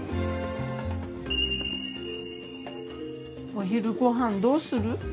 お昼ご飯どうする？